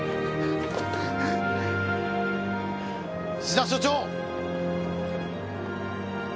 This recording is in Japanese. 石田署長！